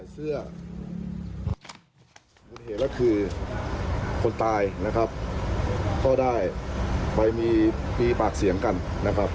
ส่วนเหตุก็คือคนตายนะครับก็ได้ไปมีปากเสียงกันนะครับ